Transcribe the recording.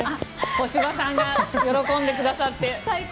小芝さんが喜んでくださって。